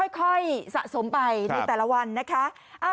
ค่อยสะสมไปในแต่ละวันนะคะ